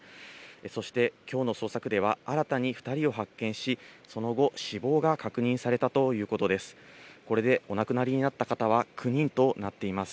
そしてきょうの捜索では、新たに２人を発見し、その後、死亡が確認されたということです。